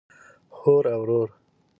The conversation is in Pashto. خور او ورور